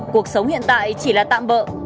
cuộc sống hiện tại chỉ là tạm bợ